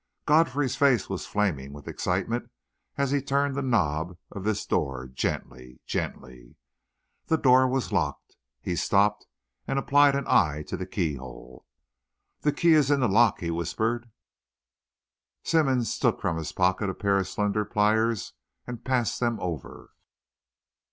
Godfrey's face was flaming with excitement as he turned the knob of this door gently gently. The door was locked. He stooped and applied an eye to the key hole. "The key is in the lock," he whispered. Simmonds took from his pocket a pair of slender pliers and passed them over.